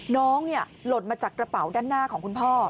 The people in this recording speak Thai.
หล่นมาจากกระเป๋าด้านหน้าของคุณพ่อ